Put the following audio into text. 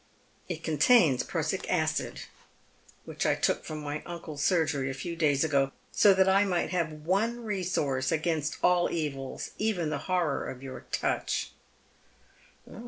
" It contains prussic acid, which I took from my uncle's sur gery a few days ago, so that I might have one resource against all evils, even the horror of your touch."